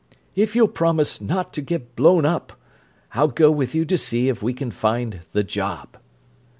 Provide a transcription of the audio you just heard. "If you'll promise not to get blown up, I'll go with you to see if we can find the job."